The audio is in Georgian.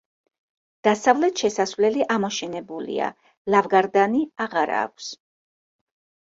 დასავლეთ შესასვლელი ამოშენებულია; ლავგარდანი აღარა აქვს.